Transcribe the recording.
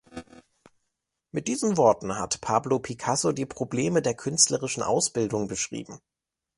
Mit diesen Worten hat Pablo Picasso die Probleme der künstlerischen Ausbildung beschrieben.